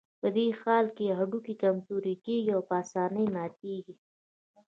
په دې حالت کې هډوکي کمزوري کېږي او په آسانۍ ماتېږي.